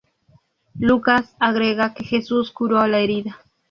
Lucas agrega que Jesús curó la herida.